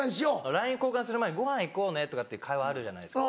ＬＩＮＥ交換する前にごはん行こうねとかいう会話あるじゃないですか。